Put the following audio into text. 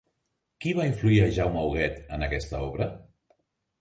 Qui va influir a Jaume Huguet en aquest obra?